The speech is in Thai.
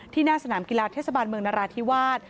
หน้าสนามกีฬาเทศบาลเมืองนราธิวาส